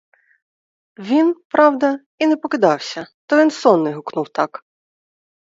Він, правда, і не прокидався: то він сонний гукнув так!